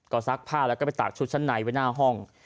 ก็ซักผ้าแล้วก็ไปตากชุดชั้นในไว้หน้าห้อง